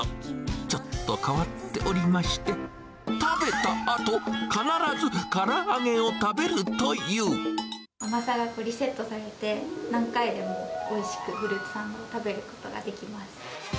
ちょっと変わっておりまして、食べたあと、甘さがリセットされて、何回でもおいしくフルーツサンドを食べることができます。